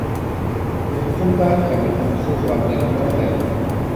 ubupfu bwa kane kumusozi wa Glamorgan